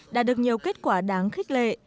đã được nhiều kết quả đáng khích lệ